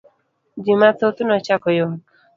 Ji mathoth nochako ywak….